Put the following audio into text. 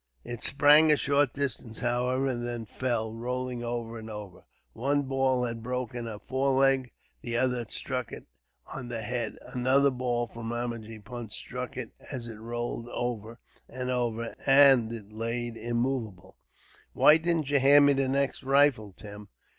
It sprang a short distance, however, and then fell, rolling over and over. One ball had broken a foreleg, the other had struck it on the head. Another ball from Ramajee Punt struck it, as it rolled over and over, and it lay immovable. "Why didn't you hand me the next rifle, Tim?"